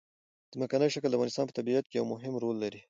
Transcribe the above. ځمکنی شکل د افغانستان په طبیعت کې یو مهم رول لري.